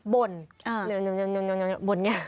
บ่นบ่นไง